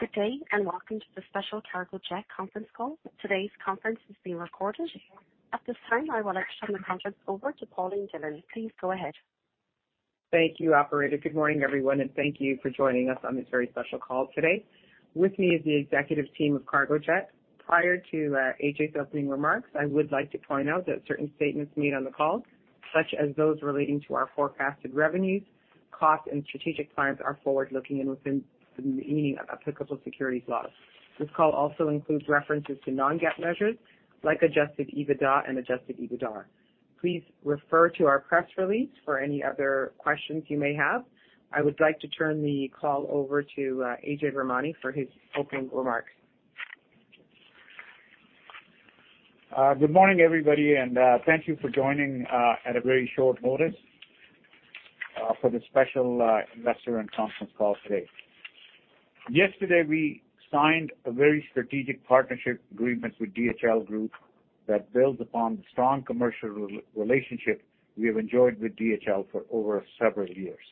Good day, and welcome to the special Cargojet conference call. Today's conference is being recorded. At this time, I would like to turn the conference over to Pauline Dhillon. Please go ahead. Thank you, operator. Good morning, everyone, and thank you for joining us on this very special call today. With me is the executive team of Cargojet. Prior to AJ's opening remarks, I would like to point out that certain statements made on the call, such as those relating to our forecasted revenues, costs, and strategic plans, are forward-looking and within meaning of applicable securities laws. This call also includes references to non-GAAP measures like adjusted EBITDA. Please refer to our press release for any other questions you may have. I would like to turn the call over to Ajay Virmani for his opening remarks. Good morning, everybody, and thank you for joining at a very short notice for the special investor and conference call today. Yesterday, we signed a very strategic partnership agreement with DHL Group that builds upon the strong commercial relationship we have enjoyed with DHL for over several years.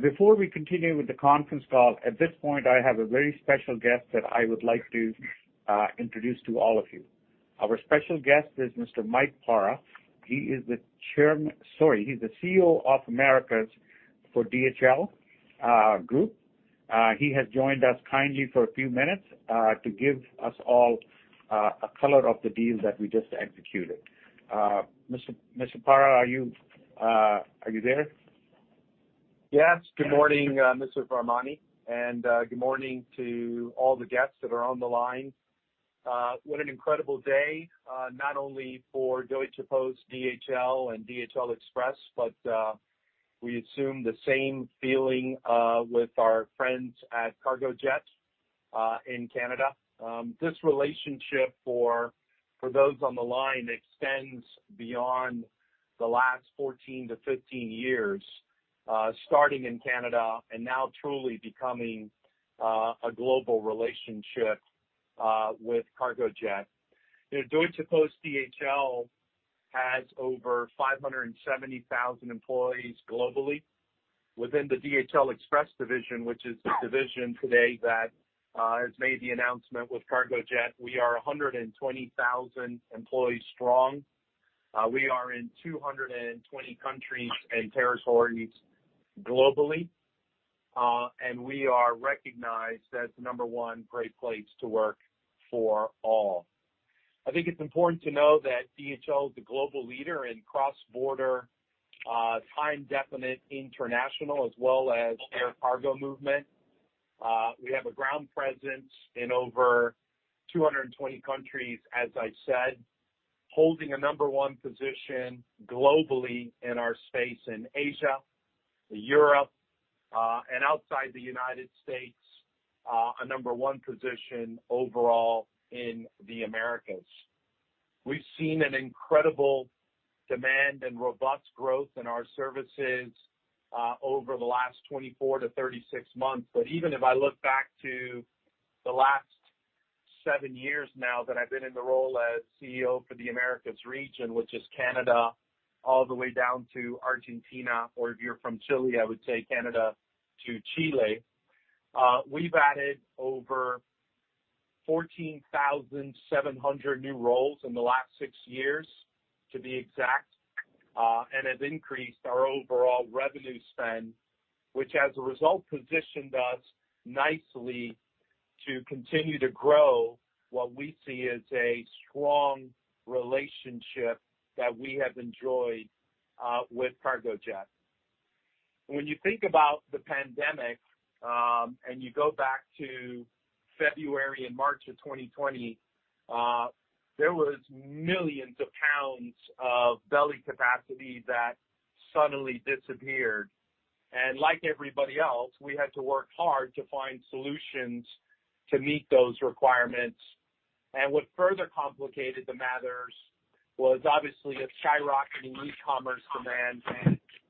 Before we continue with the conference call, at this point I have a very special guest that I would like to introduce to all of you. Our special guest is Mr. Mike Parra. He is the CEO of Americas for DHL Group. He has joined us kindly for a few minutes to give us all a color of the deal that we just executed. Mr. Parra, are you there? Yes. Good morning, Mr. Virmani, and good morning to all the guests that are on the line. What an incredible day, not only for Deutsche Post DHL and DHL Express, but we assume the same feeling with our friends at Cargojet in Canada. This relationship for those on the line extends beyond the last 14-15 years, starting in Canada and now truly becoming a global relationship with Cargojet. You know, Deutsche Post DHL has over 570,000 employees globally. Within the DHL Express division, which is the division today that has made the announcement with Cargojet, we are 120,000 employees strong. We are in 220 countries and territories globally. We are recognized as the number one great place to work for all. I think it's important to know that DHL is the global leader in cross-border, time definite international as well as air cargo movement. We have a ground presence in over 220 countries, as I've said, holding a number one position globally in our space in Asia, Europe, and outside the United States, a number one position overall in the Americas. We've seen an incredible demand and robust growth in our services, over the last 24-36 months. Even if I look back to the last seven years now that I've been in the role as CEO for the Americas region, which is Canada, all the way down to Argentina, or if you're from Chile, I would say Canada to Chile, we've added over 14,700 new roles in the last six years, to be exact, and have increased our overall revenue spend, which as a result, positioned us nicely to continue to grow what we see as a strong relationship that we have enjoyed with Cargojet. When you think about the pandemic, and you go back to February and March of 2020, there was millions of pounds of belly capacity that suddenly disappeared. Like everybody else, we had to work hard to find solutions to meet those requirements. What further complicated the matters was obviously a skyrocketing e-commerce demand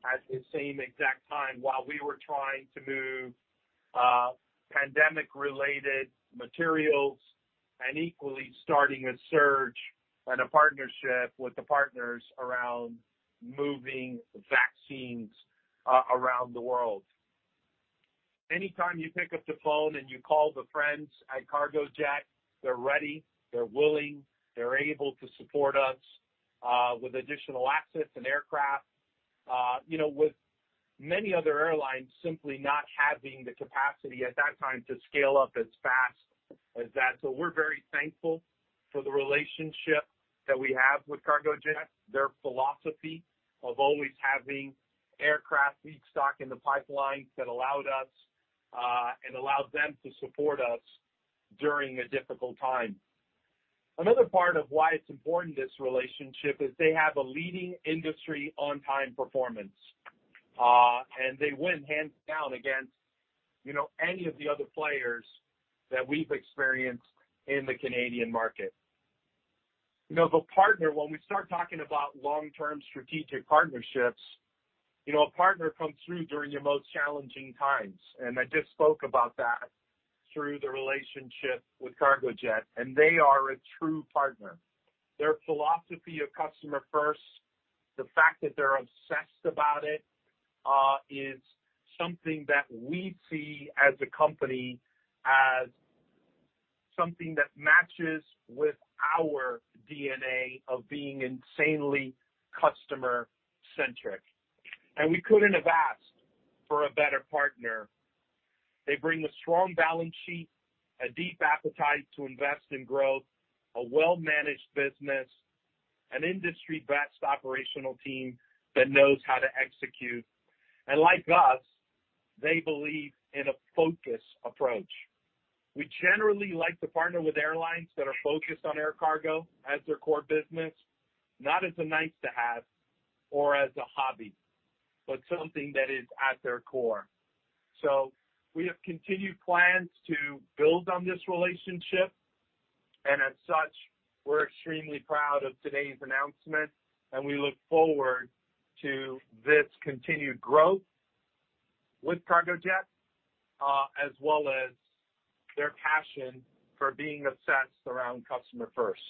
at the same exact time while we were trying to move, pandemic-related materials and equally starting a surge and a partnership with the partners around moving vaccines around the world. Anytime you pick up the phone and you call the friends at Cargojet, they're ready, they're willing, they're able to support us, with additional assets and aircraft. You know, with many other airlines simply not having the capacity at that time to scale up as fast as that. We're very thankful for the relationship that we have with Cargojet, their philosophy of always having aircraft feedstock in the pipeline that allowed us, and allowed them to support us during a difficult time. Another part of why it's important, this relationship, is they have a leading industry on time performance. They win hands down against, you know, any of the other players that we've experienced in the Canadian market. You know, the partner, when we start talking about long-term strategic partnerships, you know, a partner comes through during your most challenging times, and I just spoke about that. Through the relationship with Cargojet, and they are a true partner. Their philosophy of customer first, the fact that they're obsessed about it, is something that we see as a company, as something that matches with our DNA of being insanely customer-centric. We couldn't have asked for a better partner. They bring a strong balance sheet, a deep appetite to invest in growth, a well-managed business, an industry-best operational team that knows how to execute. Like us, they believe in a focus approach. We generally like to partner with airlines that are focused on air cargo as their core business, not as a nice-to-have or as a hobby, but something that is at their core. We have continued plans to build on this relationship, and as such, we're extremely proud of today's announcement, and we look forward to this continued growth with Cargojet, as well as their passion for being obsessed around customer first.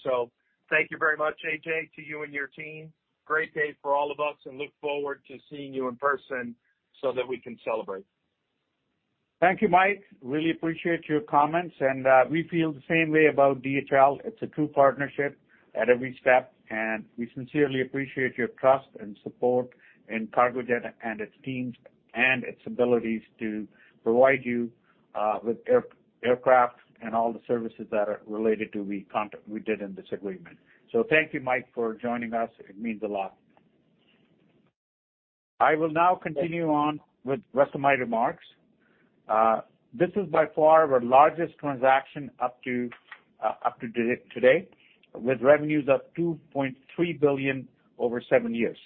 Thank you very much, AJ, to you and your team. Great day for all of us, and look forward to seeing you in person so that we can celebrate. Thank you, Mike. Really appreciate your comments, and we feel the same way about DHL. It's a true partnership at every step, and we sincerely appreciate your trust and support in Cargojet and its teams and its abilities to provide you with aircraft and all the services that are related to the contract we did in this agreement. Thank you, Mike, for joining us. It means a lot. I will now continue on with rest of my remarks. This is by far our largest transaction up to today, with revenues of 2.3 billion over seven years.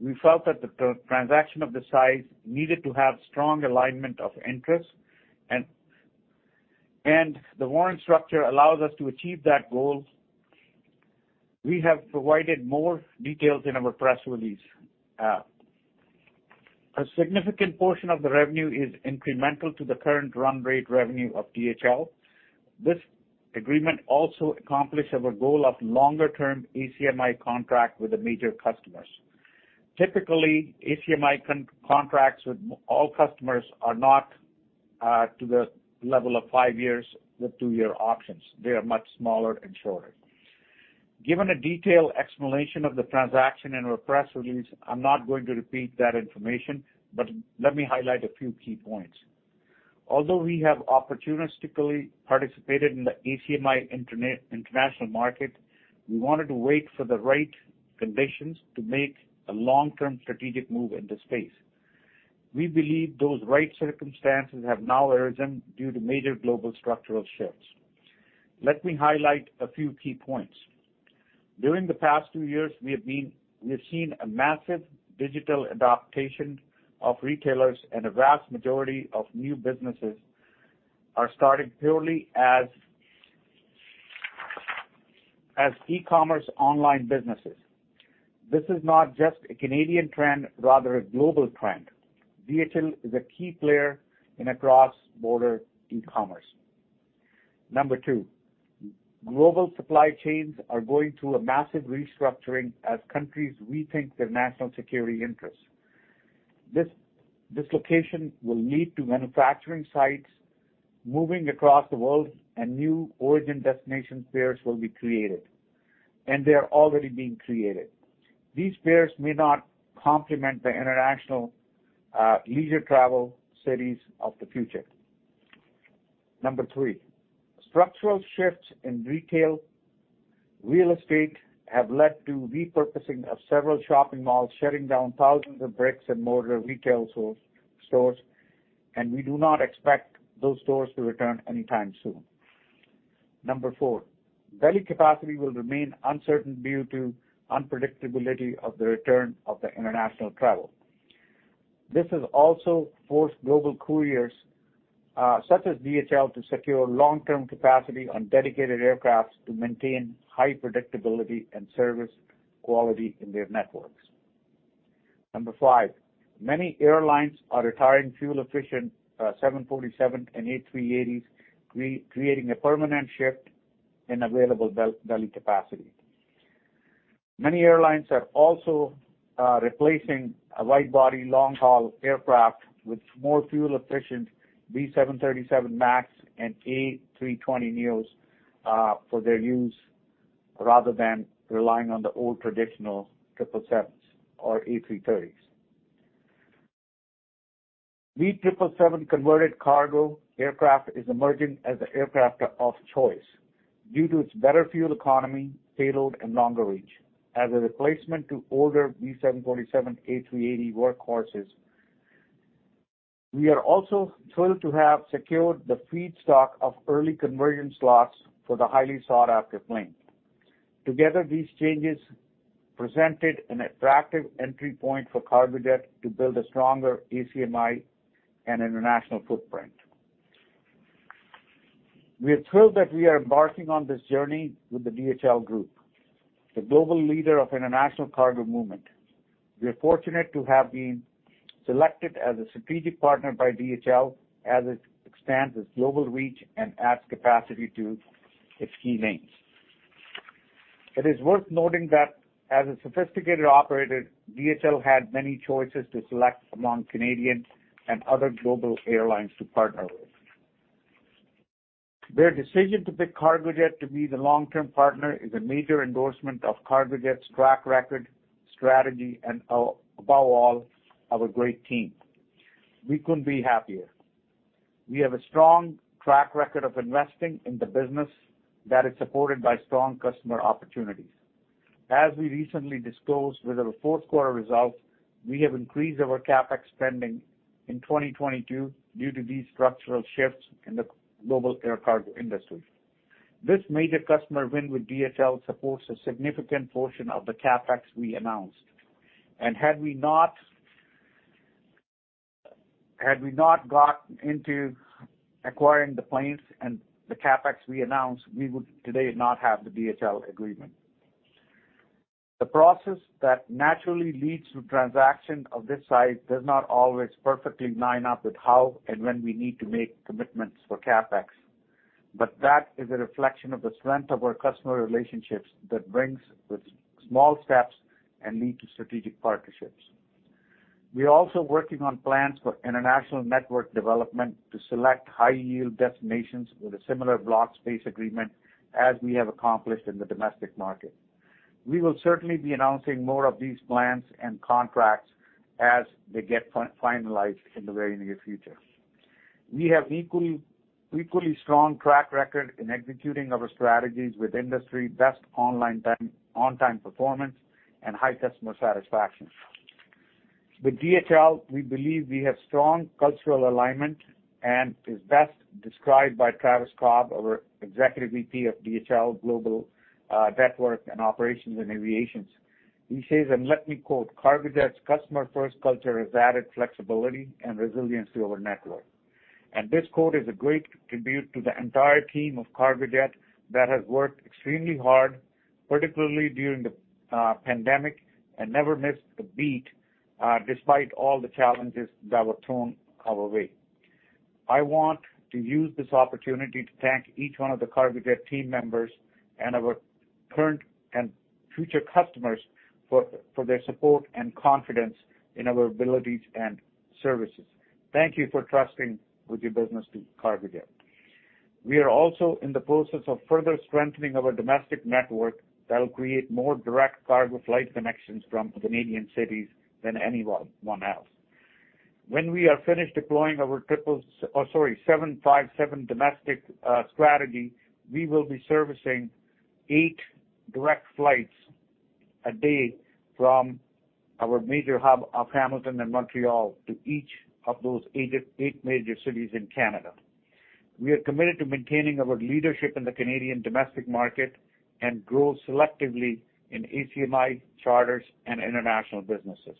We felt that the transaction of this size needed to have strong alignment of interest and the warrant structure allows us to achieve that goal. We have provided more details in our press release. A significant portion of the revenue is incremental to the current run rate revenue of DHL. This agreement also accomplish our goal of longer-term ACMI contract with the major customers. Typically, ACMI contracts with all customers are not to the level of five years with two-year options. They are much smaller and shorter. Given a detailed explanation of the transaction in our press release, I'm not going to repeat that information, but let me highlight a few key points. Although we have opportunistically participated in the ACMI international market, we wanted to wait for the right conditions to make a long-term strategic move in this space. We believe those right circumstances have now arisen due to major global structural shifts. Let me highlight a few key points. During the past two years, we have seen a massive digital adoption of retailers and a vast majority of new businesses are starting purely as e-commerce online businesses. This is not just a Canadian trend, rather a global trend. DHL is a key player in cross-border e-commerce. Number two, global supply chains are going through a massive restructuring as countries rethink their national security interests. This dislocation will lead to manufacturing sites moving across the world and new origin destination pairs will be created, and they are already being created. These pairs may not complement the international leisure travel cities of the future. Number three, structural shifts in retail real estate have led to repurposing of several shopping malls, shutting down thousands of bricks-and-mortar retail stores, and we do not expect those stores to return anytime soon. Number four, belly capacity will remain uncertain due to unpredictability of the return of the international travel. This has also forced global couriers, such as DHL, to secure long-term capacity on dedicated aircraft to maintain high predictability and service quality in their networks. Number five, many airlines are retiring fuel-efficient 747 and A380s, creating a permanent shift in available belly capacity. Many airlines are also replacing a wide-body long-haul aircraft with more fuel-efficient B737 MAX and A320neo, for their use, rather than relying on the old traditional 777s or A330s. B777 converted cargo aircraft is emerging as the aircraft of choice due to its better fuel economy, payload and longer range as a replacement to older B747, A380 workhorses. We are also thrilled to have secured the feedstock of early conversion slots for the highly sought-after plane. Together, these changes presented an attractive entry point for Cargojet to build a stronger ACMI and international footprint. We are thrilled that we are embarking on this journey with the DHL Group. The global leader of international cargo movement. We are fortunate to have been selected as a strategic partner by DHL as it expands its global reach and adds capacity to its key links. It is worth noting that as a sophisticated operator, DHL had many choices to select from among Canadian and other global airlines to partner with. Their decision to pick Cargojet to be the long-term partner is a major endorsement of Cargojet's track record, strategy, and above all, our great team. We couldn't be happier. We have a strong track record of investing in the business that is supported by strong customer opportunities. As we recently disclosed with our fourth quarter results, we have increased our CapEx spending in 2022 due to these structural shifts in the global air cargo industry. This major customer win with DHL supports a significant portion of the CapEx we announced. Had we not got into acquiring the planes and the CapEx we announced, we would today not have the DHL agreement. The process that naturally leads to transaction of this size does not always perfectly line up with how and when we need to make commitments for CapEx. That is a reflection of the strength of our customer relationships that brings with small steps and lead to strategic partnerships. We are also working on plans for international network development to select high yield destinations with a similar block space agreement as we have accomplished in the domestic market. We will certainly be announcing more of these plans and contracts as they get finalized in the very near future. We have equally strong track record in executing our strategies with industry best on-time performance and high customer satisfaction. With DHL, we believe we have strong cultural alignment and is best described by Travis Cobb, our Executive VP of DHL Global Network and Operations and Aviation. He says, and let me quote, "Cargojet's customer first culture has added flexibility and resilience to our network." This quote is a great tribute to the entire team of Cargojet that has worked extremely hard, particularly during the pandemic, and never missed a beat, despite all the challenges that were thrown our way. I want to use this opportunity to thank each one of the Cargojet team members and our current and future customers for their support and confidence in our abilities and services. Thank you for trusting with your business to Cargojet. We are also in the process of further strengthening our domestic network that will create more direct cargo flight connections from Canadian cities than anyone else. When we are finished deploying our 757 domestic strategy, we will be servicing eight direct flights a day from our major hub of Hamilton and Montreal to each of those eight major cities in Canada. We are committed to maintaining our leadership in the Canadian domestic market and grow selectively in ACMI charters and international businesses.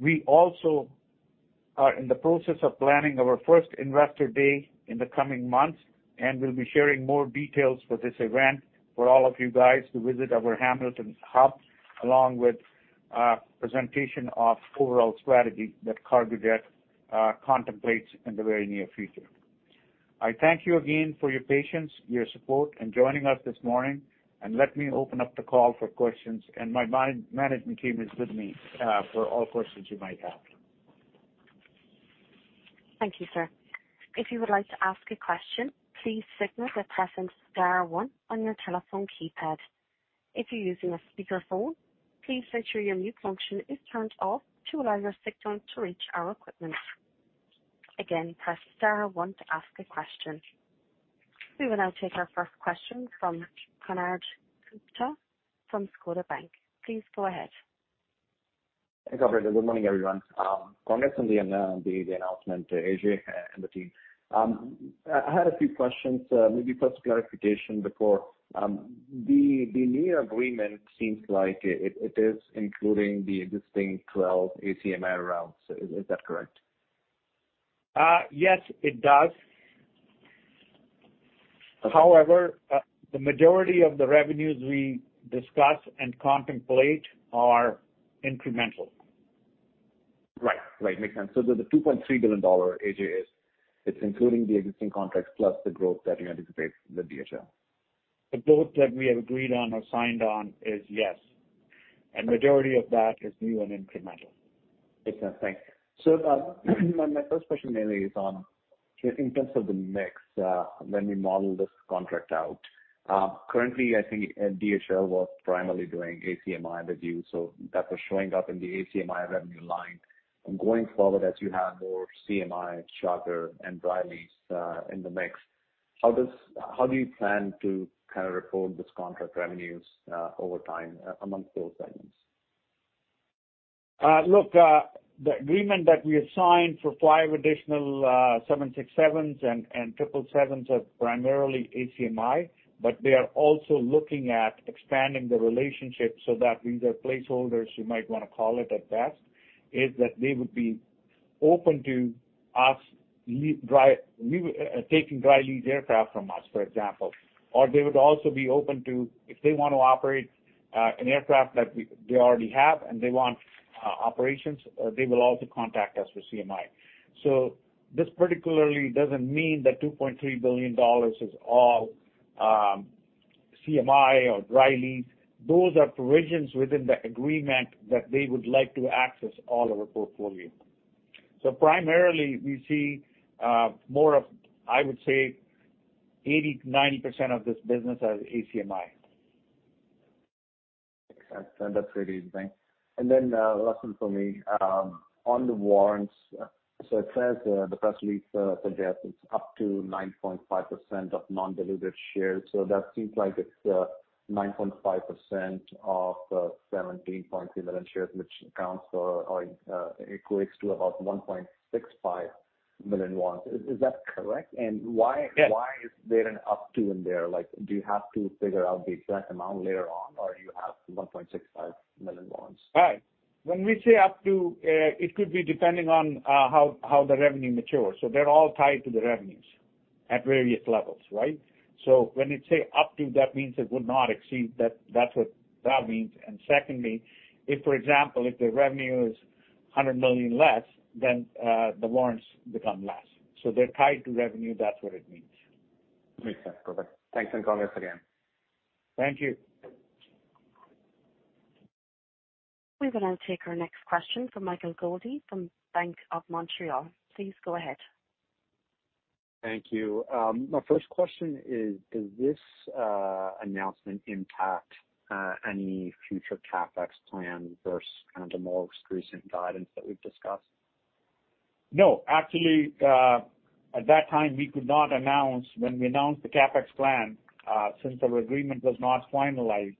We also are in the process of planning our first Investor Day in the coming months, and we'll be sharing more details for this event for all of you guys to visit our Hamilton hub, along with presentation of overall strategy that Cargojet contemplates in the very near future. I thank you again for your patience, your support in joining us this morning, and let me open up the call for questions. My management team is with me for all questions you might have. Thank you, sir. If you would like to ask a question, please signal by pressing star one on your telephone keypad. If you're using a speakerphone, please make sure your mute function is turned off to allow your signal to reach our equipment. Again, press star one to ask a question. We will now take our first question from Konark Gupta from Scotiabank. Please go ahead. Thanks, operator. Good morning, everyone. Congrats on the announcement, AJ and the team. I had a few questions. Maybe first clarification before. The new agreement seems like it is including the existing 12 ACMI routes. Is that correct? Yes, it does. Okay. However, the majority of the revenues we discuss and contemplate are incremental. Right. Makes sense. The 2.3 billion dollar, AJ, it's including the existing contracts plus the growth that you anticipate with DHL? The growth that we have agreed on or signed on is yes. Majority of that is new and incremental. Makes sense. Thanks. My first question mainly is on in terms of the mix, when we model this contract out. Currently, I think DHL was primarily doing ACMI with you, so that was showing up in the ACMI revenue line. Going forward, as you have more CMI, charter, and dry lease, in the mix, how do you plan to kind of report this contract revenues, over time amongst those segments? Look, the agreement that we have signed for five additional 767s and 777s are primarily ACMI, but they are also looking at expanding the relationship so that these are placeholders, you might wanna call it at best, is that they would be open to us taking dry lease aircraft from us, for example. Or they would also be open to, if they want to operate an aircraft that we or they already have and they want operations, they will also contact us for CMI. This particularly doesn't mean that 2.3 billion dollars is all CMI or dry lease. Those are provisions within the agreement that they would like to access all our portfolio. Primarily we see more of, I would say, 80%-90% of this business as ACMI. Okay. That's pretty interesting. Last one from me. On the warrants, it says the press release today, it's up to 9.5% of non-diluted shares. That seems like it's 9.5% of 17.2 million shares, which accounts for or equates to about 1.65 million warrants. Is that correct? Yes. Why is there an up to in there? Like, do you have to figure out the exact amount later on, or you have 1.65 million warrants? Right. When we say up to, it could be depending on how the revenue matures. They're all tied to the revenues at various levels, right? When you say up to, that means it would not exceed that. That's what that means. If, for example, if the revenue is 100 million less, then the warrants become less. They're tied to revenue. That's what it means. Makes sense. Perfect. Thanks, and congrats again. Thank you. We will now take our next question from Michael Goldie from Bank of Montreal. Please go ahead. Thank you. My first question is, does this announcement impact any future CapEx plan versus kind of the more recent guidance that we've discussed? No. Actually, at that time, we could not announce. When we announced the CapEx plan, since our agreement was not finalized,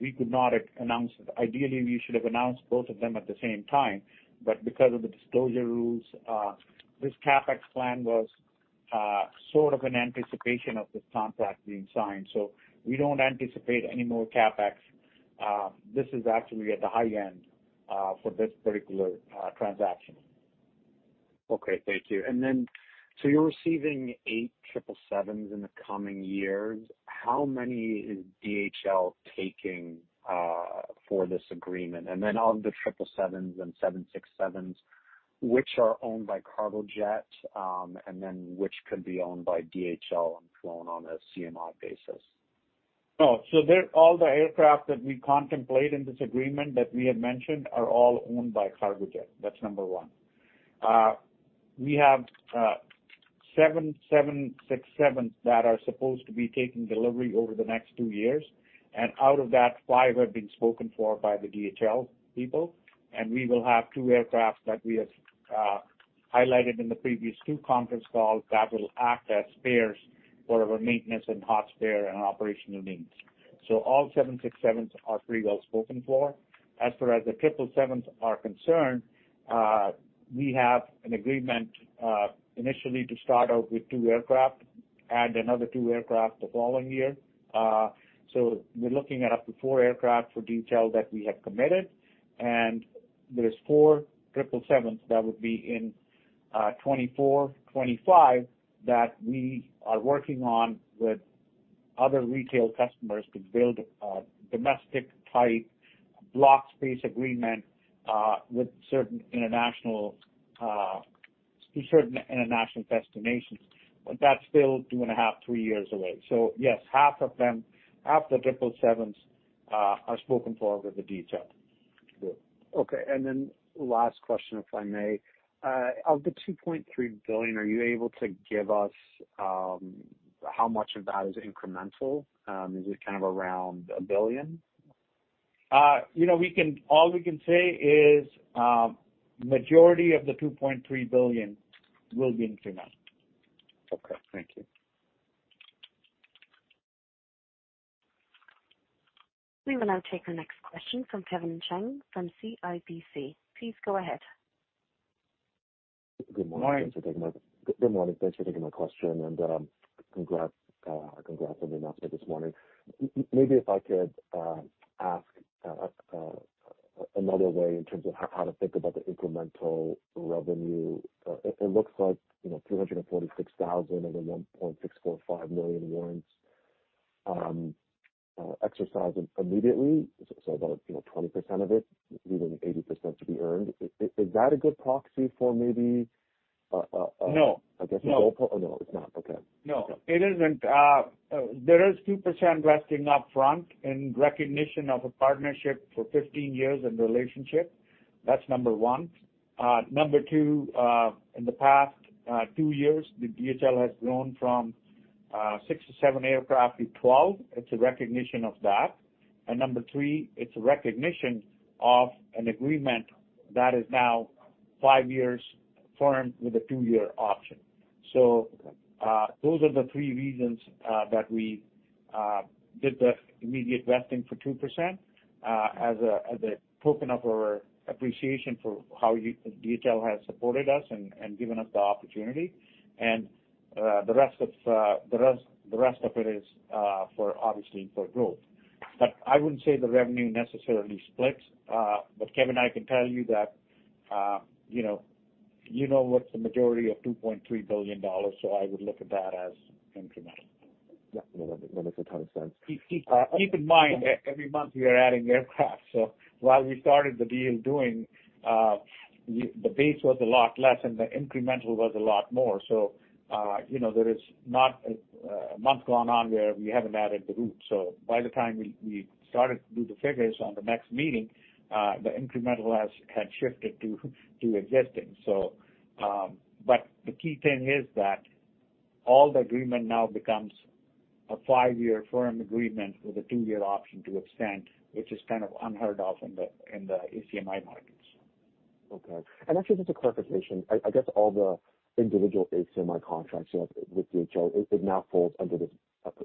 we could not announce it. Ideally, we should have announced both of them at the same time. Because of the disclosure rules, this CapEx plan was sort of an anticipation of this contract being signed. We don't anticipate any more CapEx. This is actually at the high end for this particular transaction. Okay, thank you. You're receiving eight 777s in the coming years. How many is DHL taking for this agreement? Of the 777s and 767s, which are owned by Cargojet, and then which could be owned by DHL and flown on a CMI basis? All the aircraft that we contemplate in this agreement that we have mentioned are all owned by Cargojet. That's number one. We have seven 767s that are supposed to be taking delivery over the next two years. Out of that, five have been spoken for by the DHL people, and we will have two aircraft that we have highlighted in the previous two conference calls that will act as spares for our maintenance and hot spare and operational needs. All 767s are pretty well spoken for. As far as the 777s are concerned, we have an agreement initially to start out with two aircraft, add another two aircraft the following year. We're looking at up to four aircraft for DHL that we have committed, and there's four 777s that would be in 2024, 2025, that we are working on with other retail customers to build a domestic type block space agreement with certain international to certain international destinations. But that's still 2.5-3 years away. Yes, half of them, half the 777s, are spoken for with the DHL. Good. Okay. Last question, if I may. Of the 2.3 billion, are you able to give us how much of that is incremental? Is it kind of around 1 billion? You know, all we can say is majority of the 2.3 billion will be incremental. Okay. Thank you. We will now take the next question from Kevin Chiang from CIBC. Please go ahead. Morning. Good morning. Thanks for taking my question, and congrats on the announcement this morning. Maybe if I could ask another way in terms of how to think about the incremental revenue. It looks like, you know, 346,000 of the 1.645 million warrants exercising immediately, so about, you know, 20% of it, leaving 80% to be earned. Is that a good proxy for maybe- No. -I guess the goalpost. No. Oh, no, it's not. Okay. No, it isn't. There is 2% vesting upfront in recognition of a partnership for 15 years in the relationship. That's number one. Number two, in the past two years, DHL has grown from six to seven aircraft to 12. It's a recognition of that. Number three, it's a recognition of an agreement that is now five years firm with a two-year option. Those are the three reasons that we did the immediate vesting for 2%, as a token of our appreciation for how DHL has supported us and given us the opportunity. The rest of it is for obviously for growth. I wouldn't say the revenue necessarily splits. Kevin, I can tell you that, you know what's the majority of 2.3 billion dollars, so I would look at that as incremental. Yeah. No, that makes a ton of sense. Keep in mind, every month we are adding aircraft. While we started the deal, the base was a lot less, and the incremental was a lot more. You know, there is not a month gone on where we haven't added the route. By the time we started to do the figures on the next meeting, the incremental had shifted to existing. But the key thing is that all the agreement now becomes a five-year firm agreement with a two-year option to extend, which is kind of unheard of in the ACMI markets. Okay. Actually, just a clarification. I guess all the individual ACMI contracts you have with DHL, it now falls under this.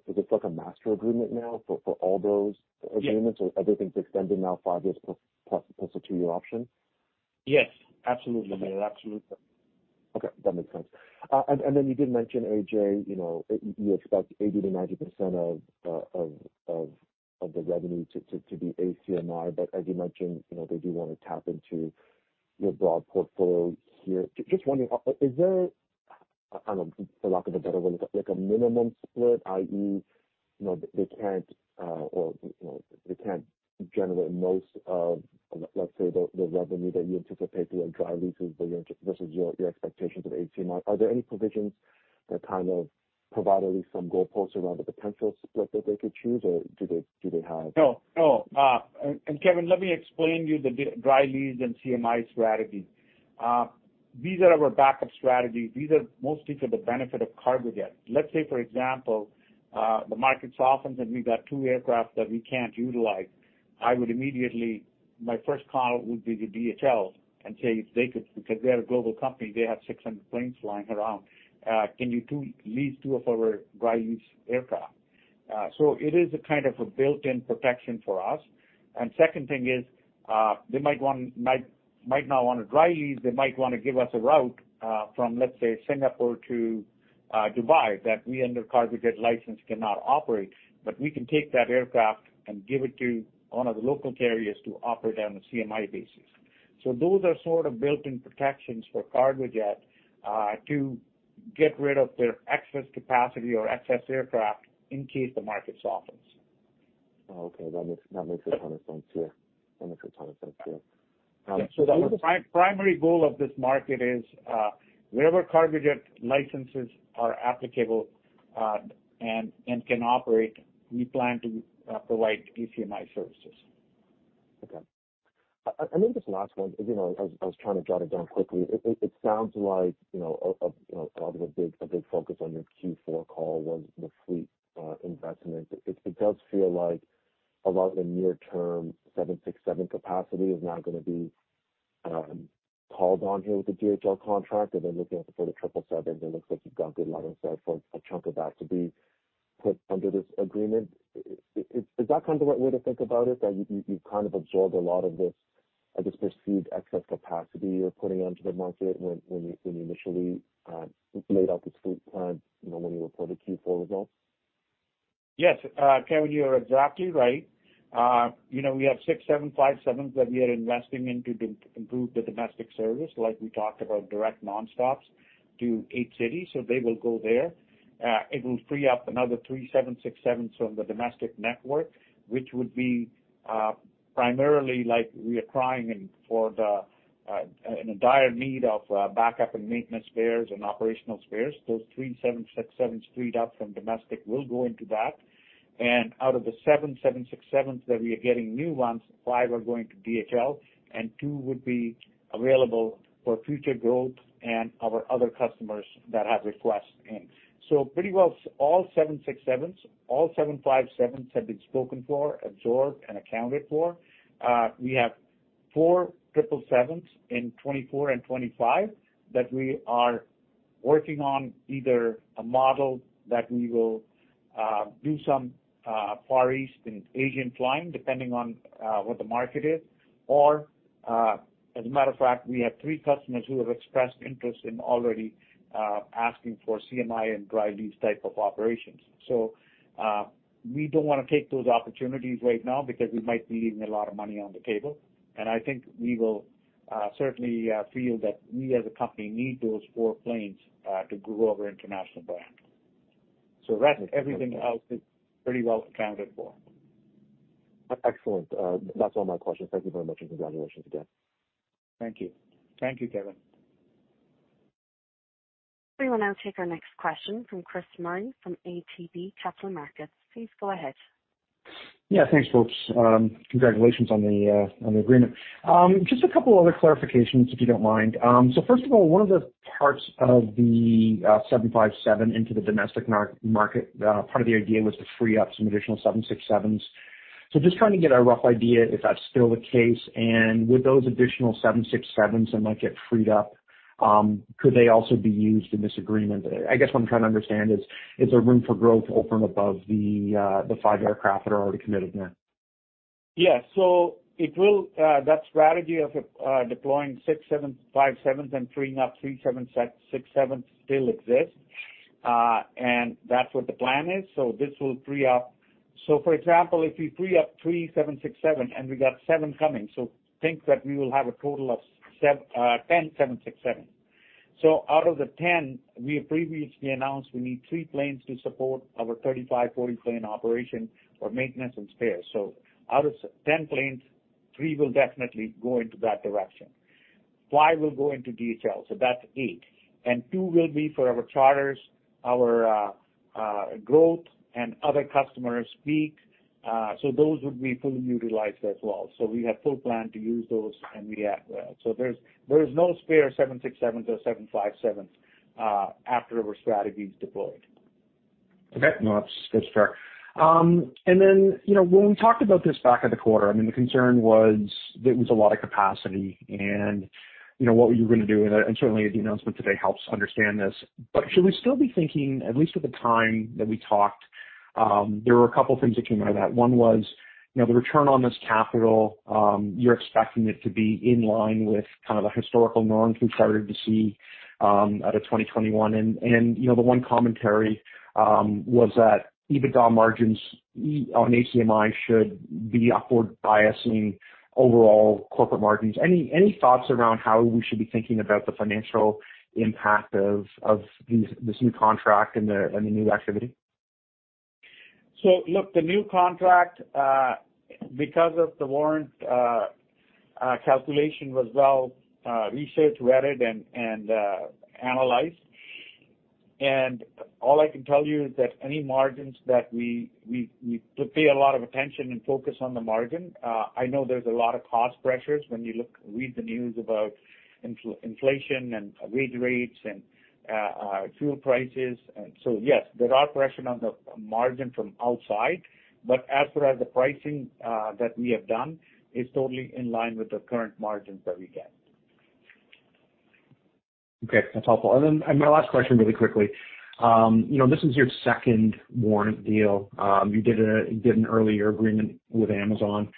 Is this like a master agreement now for all those agreements? Yes. Everything's extended now five years plus a two-year option? Yes, absolutely. Absolutely. Okay, that makes sense. You did mention, AJ, you know, you expect 80%-90% of the revenue to be ACMI. But as you mentioned, you know, they do wanna tap into your broad portfolio here. Just wondering, is there, I don't know, for lack of a better word, like a minimum split, i.e., you know, they can't generate most of, let's say, the revenue that you anticipate through a dry lease. This is your expectations of ACMI. Are there any provisions that kind of provide at least some goalposts around the potential split that they could choose, or do they have- No, no. And Kevin, let me explain to you the dry lease and CMI strategy. These are our backup strategies. These are mostly for the benefit of Cargojet. Let's say, for example, the market softens and we've got two aircraft that we can't utilize. I would immediately, my first call would be to DHL and say if they could, because they're a global company, they have 600 planes flying around, can you lease two of our dry lease aircraft? So it is a kind of a built-in protection for us. Second thing is, they might want, might not wanna dry lease. They might wanna give us a route from, let's say, Singapore to Dubai that we, under Cargojet license, cannot operate. We can take that aircraft and give it to one of the local carriers to operate on a CMI basis. Those are sort of built-in protections for Cargojet to get rid of their excess capacity or excess aircraft in case the market softens. Oh, okay. That makes a ton of sense, yeah. The primary goal of this market is wherever Cargojet licenses are applicable, and can operate, we plan to provide ACMI services. Okay. Then just last one, you know, I was trying to jot it down quickly. It sounds like, you know, obviously a big focus on your Q4 call was the fleet investment. It does feel like a lot of the near-term 767 capacity is now gonna be called on here with the DHL contract. They're looking at the further 777s. It looks like you've got good line of sight for a chunk of that to be put under this agreement. Is that kind of the right way to think about it, that you've kind of absorbed a lot of this, I guess, perceived excess capacity you're putting onto the market when you initially laid out this fleet plan, you know, when you reported Q4 results? Yes. Kevin, you're exactly right. You know, we have six 757s that we are investing in to improve the domestic service, like we talked about direct nonstops to eight cities, so they will go there. It will free up another three 767s from the domestic network, which would be primarily like we are in a dire need of backup and maintenance spares and operational spares. Those three 767s freed up from domestic will go into that. Out of the seven 767s that we are getting new ones, five are going to DHL and two would be available for future growth and our other customers that have requests in. Pretty well all 767s, all 757s have been spoken for, absorbed, and accounted for. We have four 777s in 2024 and 2025 that we are working on either a model that we will do some Far East and Asian flying depending on what the market is. Or, as a matter of fact, we have three customers who have expressed interest in already asking for CMI and dry lease type of operations. We don't wanna take those opportunities right now because we might be leaving a lot of money on the table. I think we will certainly feel that we as a company need those four planes to grow our international brand. Rest, everything else is pretty well accounted for. Excellent. That's all my questions. Thank you very much, and congratulations again. Thank you. Thank you, Kevin. We will now take our next question from Chris Murray from ATB Capital Markets. Please go ahead. Yeah, thanks, folks. Congratulations on the agreement. Just a couple other clarifications, if you don't mind. First of all, one of the parts of the 757 into the domestic market, part of the idea was to free up some additional 767s. Just trying to get a rough idea if that's still the case. With those additional 767s that might get freed up, could they also be used in this agreement? I guess what I'm trying to understand is there room for growth over and above the five aircraft that are already committed now? Yes. That strategy of deploying six 757s and freeing up three 767s still exists. That's what the plan is. For example, if we free up three 767s, and we got seven coming, so I think that we will have a total of 10 767s. Out of the 10, we previously announced we need three planes to support our 35-40 plane operation for maintenance and spares. Out of 10 planes, three will definitely go into that direction. Five will go into DHL, so that's eight. Two will be for our charters, our growth, and other customers peak. Those would be fully utilized as well. We have full plan to use those, and we are. There is no spare 767s or 757s after our strategy is deployed. Okay. No, that's fair. And then, you know, when we talked about this back at the quarter, I mean, the concern was there was a lot of capacity and, you know, what were you gonna do? Certainly the announcement today helps understand this. Should we still be thinking, at least at the time that we talked, there were a couple of things that came out of that. One was, you know, the return on this capital, you're expecting it to be in line with kind of the historical norms we started to see, out of 2021. You know, the one commentary was that EBITDA margins on ACMI should be upward biasing overall corporate margins. Any thoughts around how we should be thinking about the financial impact of this new contract and the new activity? Look, the new contract, because of the warrant calculation was well researched, vetted, and analyzed. All I can tell you is that any margins that we pay a lot of attention and focus on the margin. I know there's a lot of cost pressures when you read the news about inflation and wage rates and fuel prices. Yes, there are pressures on the margin from outside, but as far as the pricing that we have done, it's totally in line with the current margins that we get. Okay. That's helpful. My last question really quickly. You know, this is your second warrant deal. You did an earlier agreement with Amazon.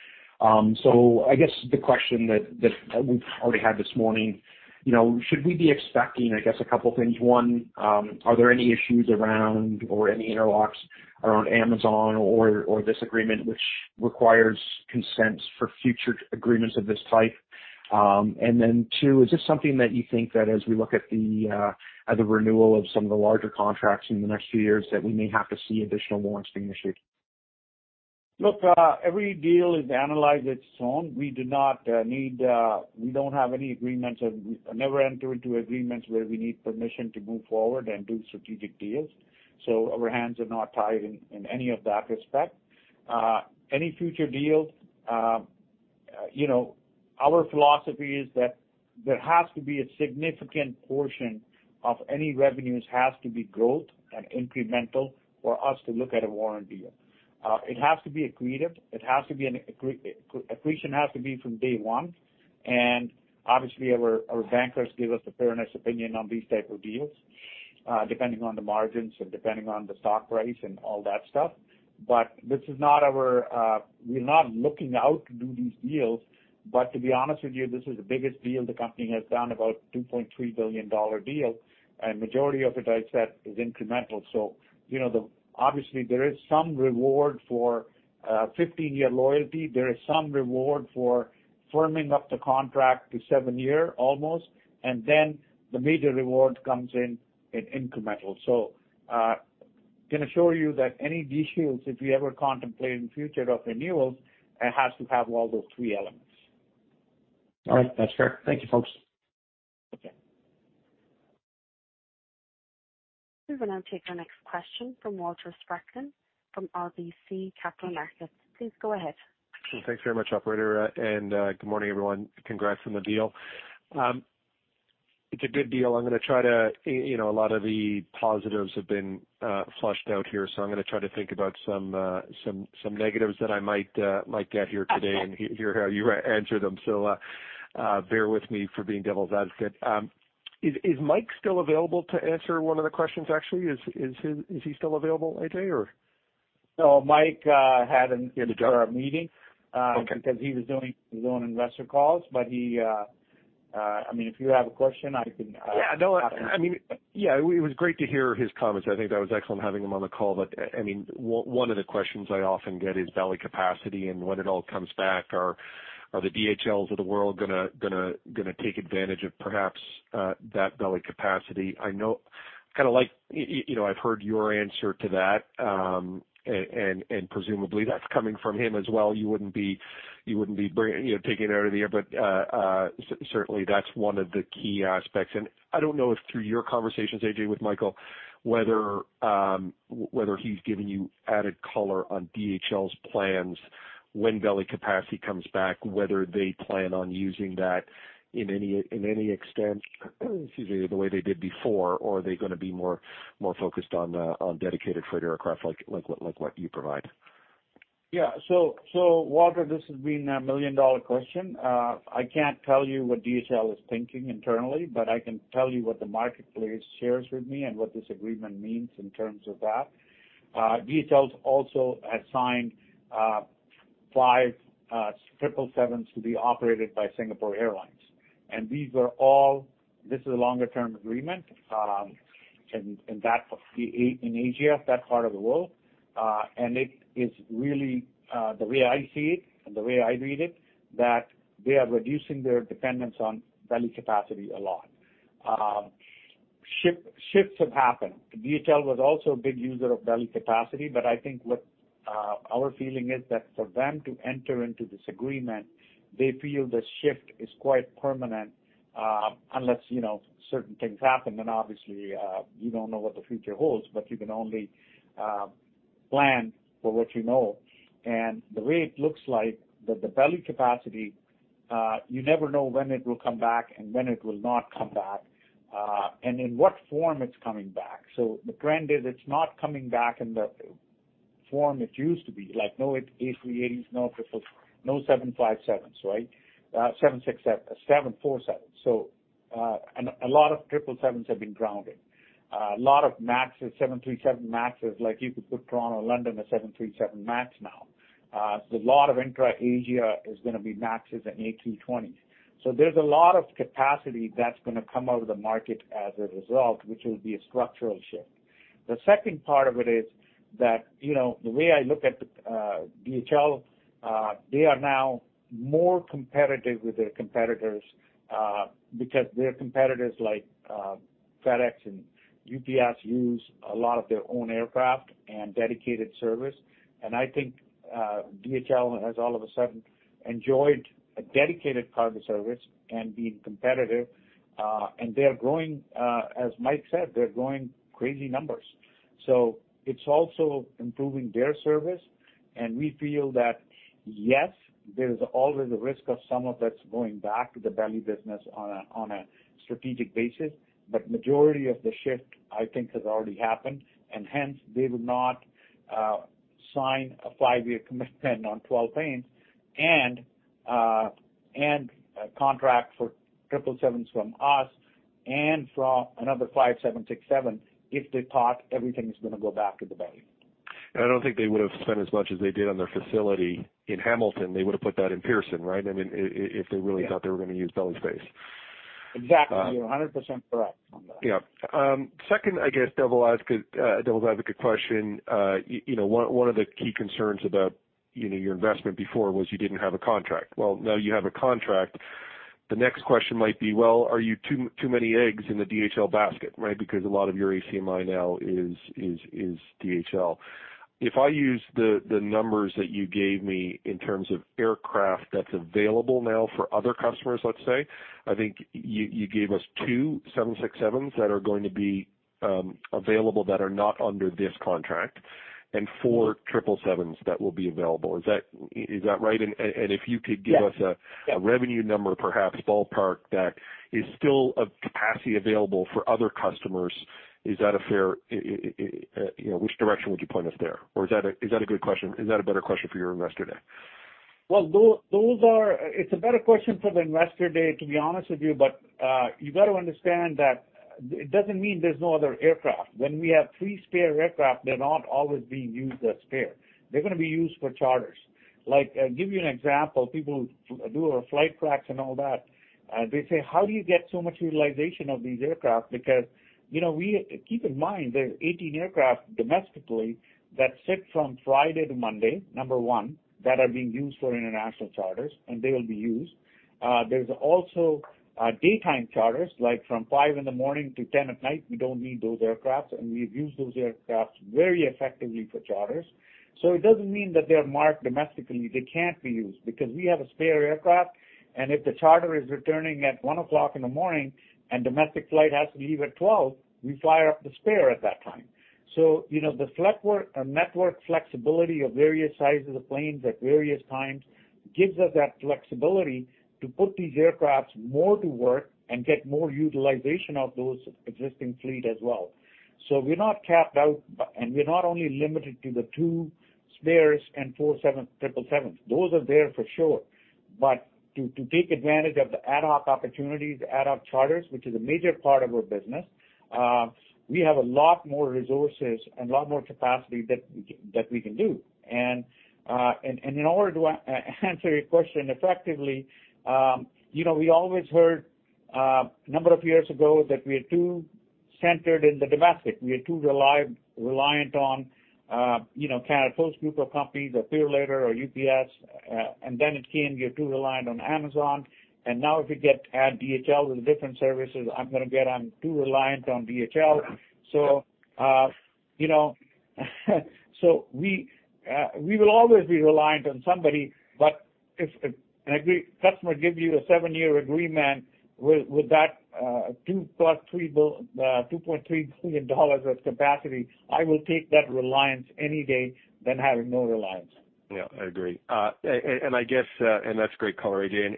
So I guess the question that we've already had this morning, you know, should we be expecting, I guess, a couple of things? One, are there any issues around or any interlocks around Amazon or this agreement which requires consents for future agreements of this type? Two, is this something that you think that as we look at the renewal of some of the larger contracts in the next few years, that we may have to see additional warrants being issued? Look, every deal is analyzed on its own. We do not need. We don't have any agreements or we never enter into agreements where we need permission to move forward and do strategic deals. Our hands are not tied in any of that respect. Any future deals, you know, our philosophy is that there has to be a significant portion of any revenues has to be growth and incremental for us to look at a warrant deal. It has to be accretive. Accretion has to be from day one. Obviously, our bankers give us a fairness opinion on these type of deals, depending on the margins or depending on the stock price and all that stuff. This is not- We're not looking to do these deals. To be honest with you, this is the biggest deal the company has done, about 2.3 billion dollar deal. Majority of it, I said, is incremental. You know, the obviously, there is some reward for 15-year loyalty. There is some reward for firming up the contract to seven-year almost. Then the major reward comes in incremental. Gonna show you that any deals, if we ever contemplate in the future of renewals, it has to have all those three elements. All right. That's fair. Thank you, folks. Okay. We will now take our next question from Walter Spracklin from RBC Capital Markets. Please go ahead. Thanks very much, operator. Good morning, everyone. Congrats on the deal. It's a good deal. I'm gonna try to, you know, a lot of the positives have been flushed out here, so I'm gonna try to think about some negatives that I might get here today and hear how you answer them. Bear with me for being devil's advocate. Is Mike still available to answer one of the questions, actually? Is he still available, AJ, or? No, Mike had another meeting. Okay. Because he was doing investor calls, but he- I mean, if you have a question, I can- Yeah, no, I mean, yeah, it was great to hear his comments. I think that was excellent having him on the call. I mean, one of the questions I often get is belly capacity and when it all comes back. Are the DHLs of the world gonna take advantage of perhaps that belly capacity? I know. Kinda like, you know, I've heard your answer to that, and presumably that's coming from him as well. You wouldn't be, you know, taking it out of the air. Certainly, that's one of the key aspects. I don't know if through your conversations, AJ, with Michael, whether he's given you added color on DHL's plans when belly capacity comes back, whether they plan on using that in any extent, excuse me, the way they did before, or are they gonna be more focused on dedicated freighter aircraft like what you provide? Walter, this has been a million-dollar question. I can't tell you what DHL is thinking internally, but I can tell you what the marketplace shares with me and what this agreement means in terms of that. DHL also has signed five 777s to be operated by Singapore Airlines. These are all a longer-term agreement in Asia, that part of the world. It is really the way I see it, and the way I read it, that they are reducing their dependence on belly capacity a lot. Shifts have happened. DHL was also a big user of belly capacity, but I think our feeling is that for them to enter into this agreement, they feel the shift is quite permanent, unless you know certain things happen. Then obviously you don't know what the future holds, but you can only plan for what you know. The way it looks is that the belly capacity you never know when it will come back and when it will not come back and in what form it's coming back. The trend is it's not coming back in the form it used to be. Like, no A380s, no 757s, right? 767, 747. A lot of 777s have been grounded. A lot of 737 MAXes, like you could put Toronto-London a 737 MAX now. A lot of intra-Asia is gonna be MAXes and A320s. There's a lot of capacity that's gonna come out of the market as a result, which will be a structural shift. The second part of it is that, you know, the way I look at, DHL, they are now more competitive with their competitors, because their competitors, like, FedEx and UPS, use a lot of their own aircraft and dedicated service. I think, DHL has all of a sudden enjoyed a dedicated cargo service and being competitive, and they are growing, as Mike said, they're growing crazy numbers. It's also improving their service, and we feel that yes, there is always a risk of some of that's going back to the belly business on a strategic basis, but majority of the shift, I think, has already happened, and hence they would not sign a five-year commitment on 12 planes and a contract for 777s from us and from another 757, 767 if they thought everything is gonna go back to the belly. I don't think they would have spent as much as they did on their facility in Hamilton. They would have put that in Pearson, right? I mean, if they really thought they were gonna use belly space. Exactly. You're 100% correct on that. Yeah. Second, I guess, devil's advocate question, you know, one of the key concerns about, you know, your investment before was you didn't have a contract. Well, now you have a contract. The next question might be, well, are you too many eggs in the DHL basket, right? Because a lot of your ACMI now is DHL. If I use the numbers that you gave me in terms of aircraft that's available now for other customers, let's say, I think you gave us two 767s that are going to be available that are not under this contract, and four 777s that will be available. Is that right? If you could give us a- Yes. -a revenue number, perhaps ballpark, that is still a capacity available for other customers. Is that a fair, you know, which direction would you point us there? Or is that a good question? Is that a better question for your Investor Day? Well, it's a better question for the Investor Day, to be honest with you. You got to understand that it doesn't mean there's no other aircraft. When we have three spare aircraft, they're not always being used as spare. They're gonna be used for charters. Like, I'll give you an example. People do our flight tracks and all that, they say, "How do you get so much utilization of these aircraft?" Because, you know, keep in mind, there are 18 aircraft domestically that sit from Friday to Monday, number one, that are being used for international charters, and they will be used. There's also daytime charters, like from 5:00 A.M. to 10:00 P.M., we don't need those aircraft, and we've used those aircraft very effectively for charters. It doesn't mean that they are parked domestically, they can't be used. Because we have a spare aircraft, and if the charter is returning at 1:00 A.M. and domestic flight has to leave at 12:00, we fly up the spare at that time. You know, the network flexibility of various sizes of planes at various times gives us that flexibility to put these aircraft more to work and get more utilization of those existing fleet as well. We're not capped out, and we're not only limited to the two spares and four 777s. Those are there for sure. But to take advantage of the ad hoc opportunities, ad hoc charters, which is a major part of our business, we have a lot more resources and a lot more capacity that we can do. In order to answer your question effectively, you know, we always heard number of years ago that we are too centered in the domestic. We are too reliant on, you know, kind of Post Group of Companies or FedEx or UPS, and then it came, we are too reliant on Amazon. Now if we add DHL with different services, I'm gonna get, I'm too reliant on DHL. You know, we will always be reliant on somebody, but if a customer gives you a seven-year agreement with that 2.3 billion dollars of capacity, I will take that reliance any day than having no reliance. Yeah, I agree. I guess that's great color, again.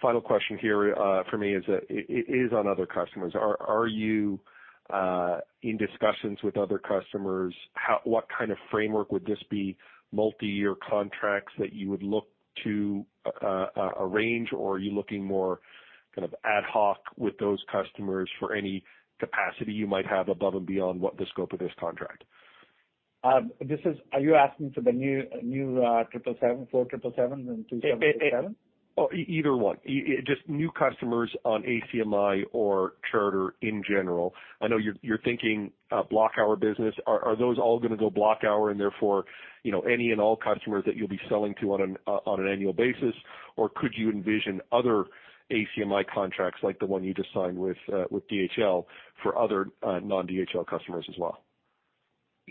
Final question here for me is on other customers. Are you in discussions with other customers? What kind of framework would this be? Multi-year contracts that you would look to arrange, or are you looking more kind of ad hoc with those customers for any capacity you might have above and beyond what the scope of this contract? Are you asking for the new four 777s and 767? Either one. Just new customers on ACMI or charter in general. I know you're thinking block hour business. Are those all gonna go block hour and therefore, you know, any and all customers that you'll be selling to on an annual basis? Or could you envision other ACMI contracts like the one you just signed with DHL for other non-DHL customers as well?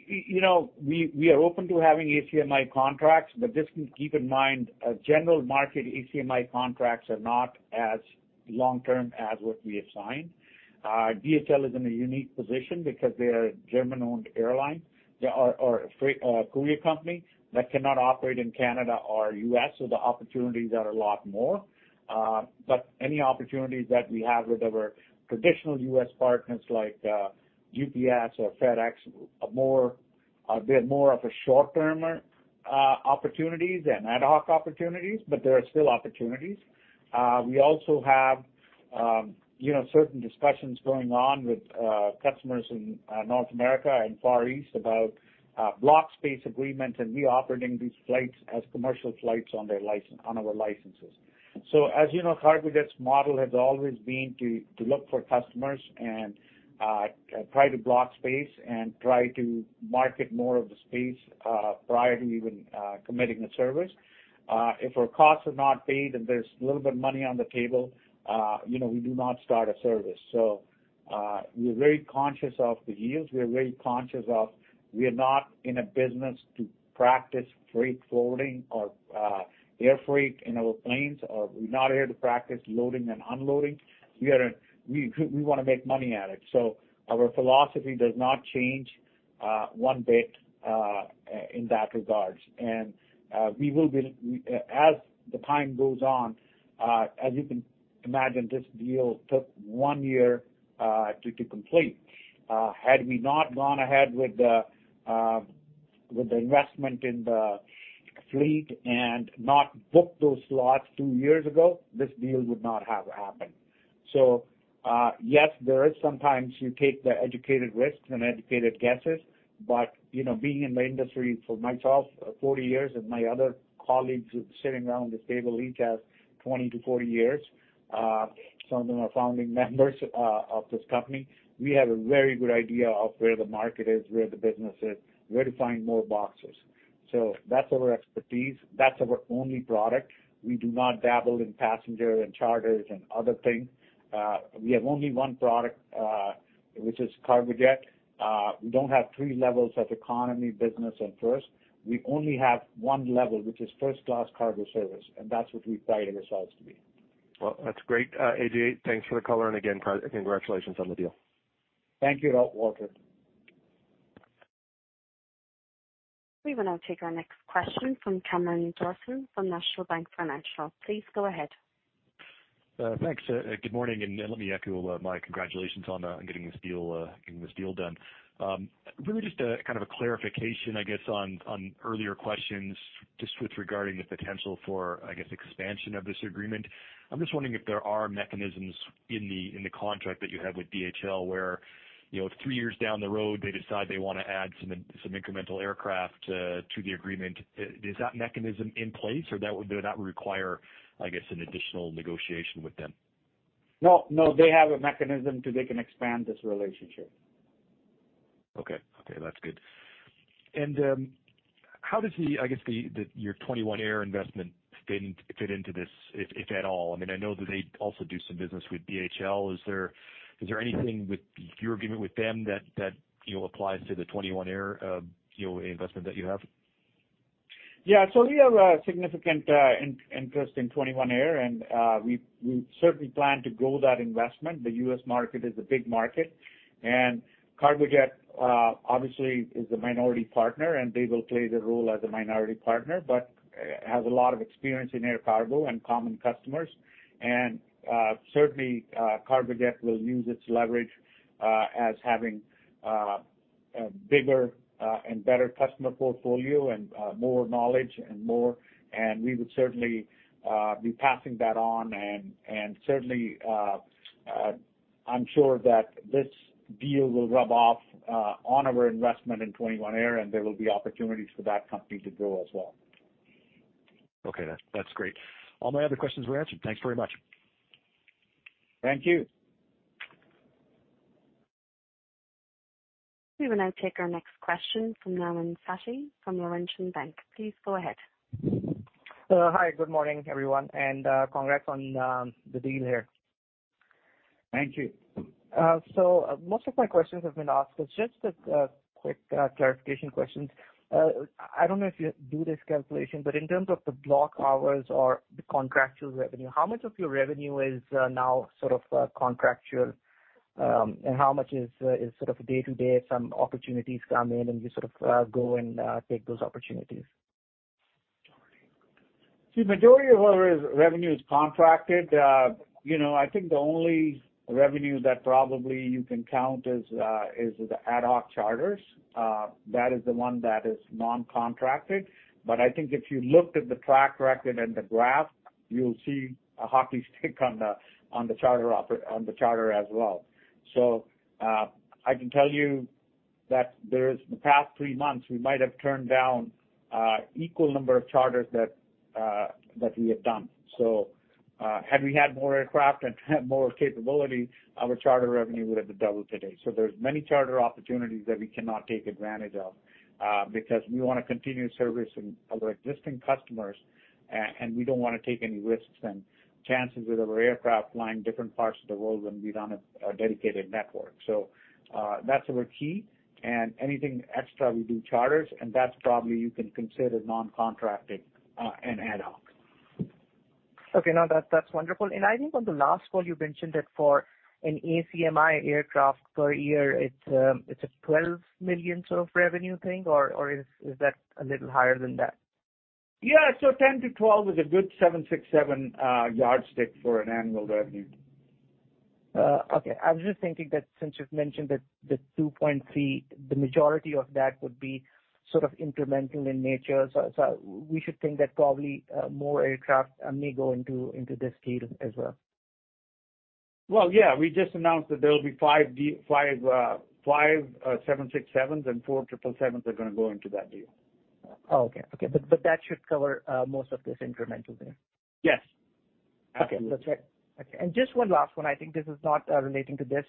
You know, we are open to having ACMI contracts, but just keep in mind, general market ACMI contracts are not as long-term as what we have signed. DHL is in a unique position because they are a German-owned freight courier company that cannot operate in Canada or U.S., so the opportunities are a lot more. Any opportunities that we have with our traditional U.S. partners like UPS or FedEx are a bit more of short-term opportunities and ad hoc opportunities, but there are still opportunities. We also have you know certain discussions going on with customers in North America and Far East about block space agreements and we operating these flights as commercial flights on our licenses. As you know, Cargojet's model has always been to look for customers and try to block space and try to market more of the space prior to even committing the service. If our costs are not paid and there's a little bit of money on the table, you know, we do not start a service. We're very conscious of the yields. We are very conscious of we are not in a business to practice freight forwarding or air freight in our planes, or we're not here to practice loading and unloading. We wanna make money at it. Our philosophy does not change one bit in that regard. As the time goes on, as you can imagine, this deal took one year to complete. Had we not gone ahead with the investment in the fleet and not booked those slots two years ago, this deal would not have happened. Yes, there is sometimes you take the educated risks and educated guesses, but you know, being in the industry for myself 40 years, and my other colleagues sitting around this table, each has 20 to 40 years, some of them are founding members of this company. We have a very good idea of where the market is, where the business is, where to find more boxes. That's our expertise. That's our only product. We do not dabble in passenger and charters and other things. We have only one product, which is Cargojet. We don't have three levels of economy, business and first. We only have one level, which is first class cargo service, and that's what we pride ourselves to be. Well, that's great, AJ. Thanks for the color, and again, congratulations on the deal. Thank you, Walter. We will now take our next question from Cameron Doerksen from National Bank Financial. Please go ahead. Thanks, good morning, and let me echo my congratulations on getting this deal done. Really just a kind of a clarification, I guess, on earlier questions just with regard to the potential for, I guess, expansion of this agreement. I'm just wondering if there are mechanisms in the contract that you have with DHL where, you know, if three years down the road they decide they wanna add some incremental aircraft to the agreement, is that mechanism in place or would that require, I guess, an additional negotiation with them? No, no, they have a mechanism they can expand this relationship. Okay. Okay, that's good. How does, I guess, your 21 Air investment fit into this, if at all? I mean, I know that they also do some business with DHL. Is there anything with your agreement with them that you know, applies to the 21 Air investment that you have? Yeah. We have a significant interest in 21 Air, and we certainly plan to grow that investment. The U.S. market is a big market, and Cargojet obviously is a minority partner, and they will play the role as a minority partner, but has a lot of experience in air cargo and common customers. Certainly, Cargojet will use its leverage as having a bigger and better customer portfolio and more knowledge, and we would certainly be passing that on. I'm sure that this deal will rub off on our investment in 21 Air, and there will be opportunities for that company to grow as well. Okay. That's great. All my other questions were answered. Thanks very much. Thank you. We will now take our next question from Nauman Satti from Laurentian Bank. Please go ahead. Hi. Good morning, everyone, and congrats on the deal here. Thank you. Most of my questions have been asked. Just a quick clarification questions. I don't know if you do this calculation, but in terms of the block hours or the contractual revenue, how much of your revenue is now sort of contractual, and how much is sort of day to day, some opportunities come in and you sort of go and take those opportunities? See, majority of our revenue is contracted. You know, I think the only revenue that probably you can count is the ad hoc charters. That is the one that is non-contracted. I think if you looked at the track record and the graph, you'll see a hockey stick on the charter as well. I can tell you that in the past three months, we might have turned down equal number of charters that we have done. Had we had more aircraft and had more capability, our charter revenue would have doubled today. There's many charter opportunities that we cannot take advantage of, because we wanna continue servicing our existing customers, and we don't wanna take any risks and chances with our aircraft flying different parts of the world when we don't have a dedicated network. That's our key, and anything extra, we do charters, and that's probably you can consider non-contracting, and ad hoc. Okay. No, that's wonderful. I think on the last call you mentioned that for an ACMI aircraft per year, it's a 12 million sort of revenue thing, or is that a little higher than that? Yeah. 10 million-12 million is a good 767 yardstick for an annual revenue. Okay. I was just thinking that since you've mentioned that the 2.3 billion, the majority of that would be sort of incremental in nature, so we should think that probably more aircraft may go into this fleet as well. Well, yeah, we just announced that there'll be five 767s and four 777s are gonna go into that deal. Oh, okay. That should cover most of this incremental there. Yes. Absolutely. Okay. That's it. Okay. Just one last one. I think this is not relating to this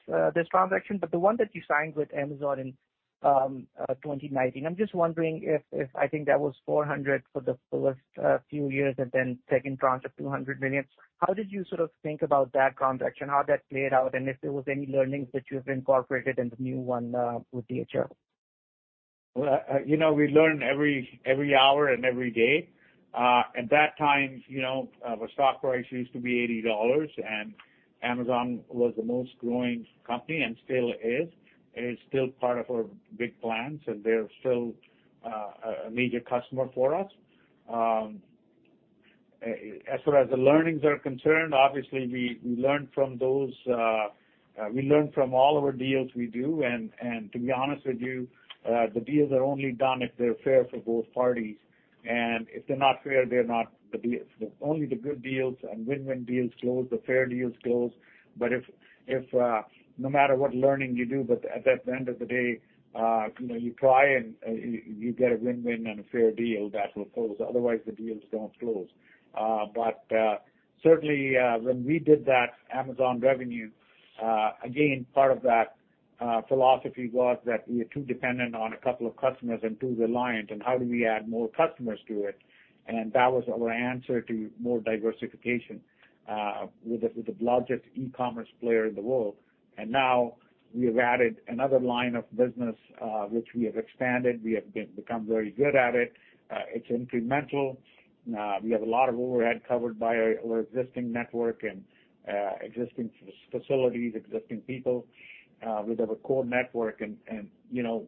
transaction, but the one that you signed with Amazon in 2019. I'm just wondering if I think that was $400 million for the first few years and then second tranche of $200 million. How did you sort of think about that transaction? How'd that play out? If there was any learnings that you've incorporated in the new one with DHL? Well, you know, we learn every hour and every day. At that time, you know, our stock price used to be 80 dollars, and Amazon was the most growing company and still is. It is still part of our big plans, and they're still a major customer for us. As far as the learnings are concerned, obviously we learn from those, we learn from all of our deals we do. To be honest with you, the deals are only done if they're fair for both parties. If they're not fair, only the good deals and win-win deals close, the fair deals close. If no matter what learning you do, but at the end of the day, you know, you try and you get a win-win and a fair deal that will close. Otherwise, the deals don't close. Certainly, when we did that Amazon revenue, again, part of that philosophy was that we were too dependent on a couple of customers and too reliant, and how do we add more customers to it. That was our answer to more diversification with the largest e-commerce player in the world. Now we have added another line of business, which we have expanded. We have become very good at it. It's incremental. We have a lot of overhead covered by our existing network and existing facilities, existing people with our core network and, you know,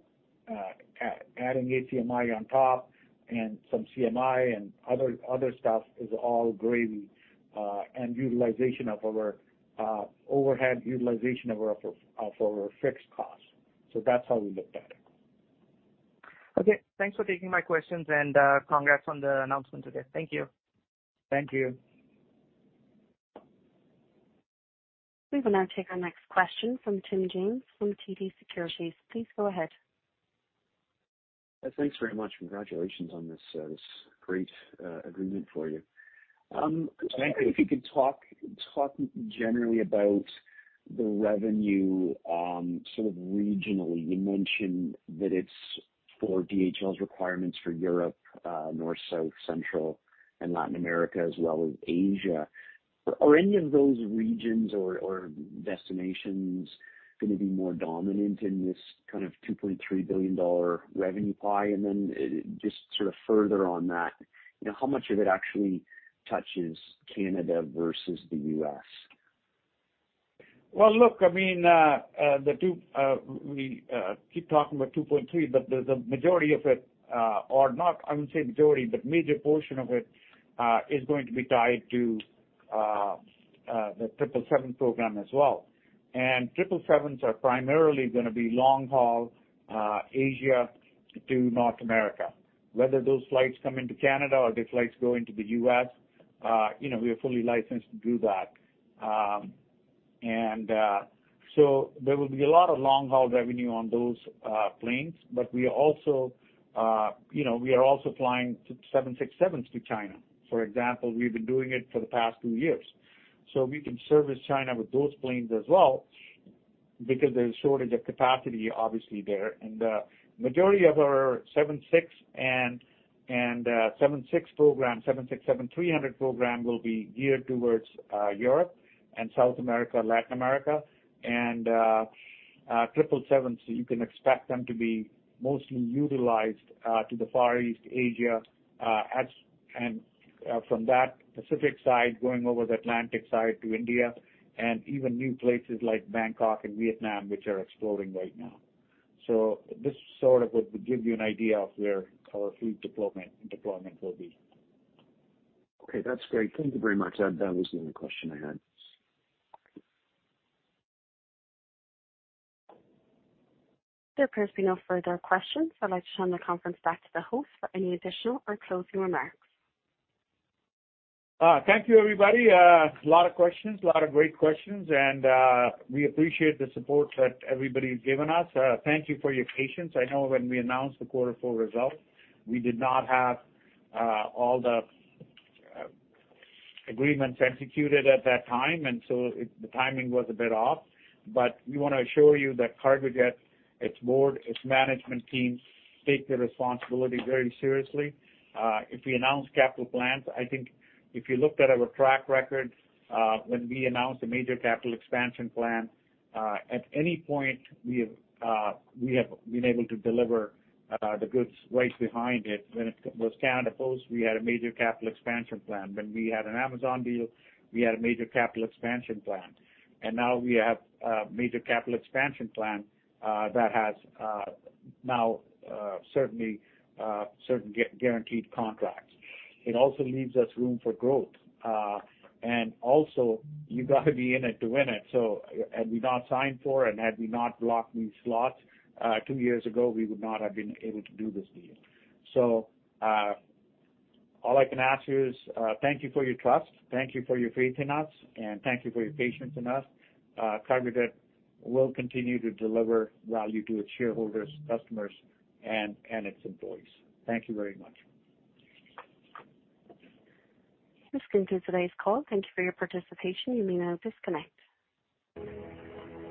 adding ACMI on top and some CMI and other stuff is all gravy, and utilization of our overhead, utilization of our fixed costs. That's how we looked at it. Okay. Thanks for taking my questions and, congrats on the announcement today. Thank you. Thank you. We will now take our next question from Tim James from TD Securities. Please go ahead. Thanks very much. Congratulations on this great agreement for you. Thank you. I wonder if you could talk generally about the revenue sort of regionally. You mentioned that it's for DHL's requirements for Europe, North, South, Central, and Latin America, as well as Asia. Are any of those regions or destinations gonna be more dominant in this kind of 2.3 billion dollar revenue pie? Just sort of further on that, you know, how much of it actually touches Canada versus the U.S.? Well, look, I mean, we keep talking about 2.3 billion, but the majority of it, or not, I wouldn't say majority, but major portion of it is going to be tied to the 777 program as well. 777s are primarily gonna be long haul, Asia to North America. Whether those flights come into Canada or the flights go into the U.S., you know, we are fully licensed to do that. And there will be a lot of long haul revenue on those planes. We are also, you know, flying 767s to China. For example, we've been doing it for the past two years. We can service China with those planes as well because there's shortage of capacity obviously there. Majority of our 767 and 767-300 program will be geared towards Europe and South America, Latin America. 777s, you can expect them to be mostly utilized to the Far East, Asia, and from that Pacific side, going over the Atlantic side to India and even new places like Bangkok and Vietnam, which are exploding right now. This sort of would give you an idea of where our fleet deployment will be. Okay, that's great. Thank you very much. That was the only question I had. There appears to be no further questions. I'd like to turn the conference back to the host for any additional or closing remarks. Thank you, everybody. A lot of questions. A lot of great questions. We appreciate the support that everybody's given us. Thank you for your patience. I know when we announced the quarter four results, we did not have all the agreements executed at that time, the timing was a bit off. We wanna assure you that Cargojet, its board, its management team take their responsibility very seriously. If we announce capital plans, I think if you looked at our track record, when we announced a major capital expansion plan, at any point we have been able to deliver the goods right behind it. When it was Canada Post, we had a major capital expansion plan. When we had an Amazon deal, we had a major capital expansion plan. Now we have a major capital expansion plan that has now certainly certain guaranteed contracts. It also leaves us room for growth. You gotta be in it to win it. Had we not signed for and had we not blocked these slots two years ago, we would not have been able to do this deal. All I can ask you is thank you for your trust, thank you for your faith in us, and thank you for your patience in us. Cargojet will continue to deliver value to its shareholders, customers, and its employees. Thank you very much. This concludes today's call. Thank you for your participation. You may now disconnect.